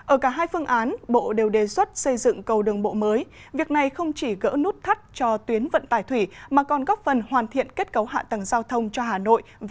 ở cả hai phương án bộ đều đề xuất xây dựng cầu đường bộ mới việc này không chỉ gỡ nút thắt cho tuyến vận tải thủy mà còn góp phần hoàn thiện kết cấu hạ tầng giao thông cho hà nội